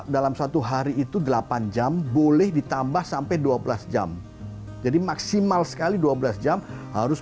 dalam satu hari itu delapan jam boleh ditambah sampai dua belas jam jadi maksimal sekali dua belas jam harus